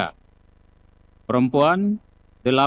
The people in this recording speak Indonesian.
satu enam tujuh tiga